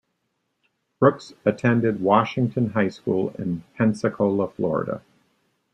Brooks attended Washington High School in Pensacola, Florida.